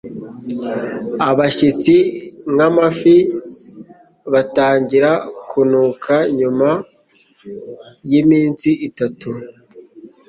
Abashyitsi, nk'amafi, batangira kunuka nyuma y'iminsi itatu.